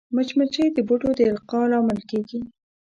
مچمچۍ د بوټو د القاح لامل کېږي